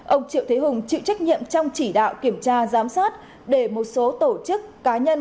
ông triệu thế hùng chịu trách nhiệm trong chỉ đạo kiểm tra giám sát để một số tổ chức cá nhân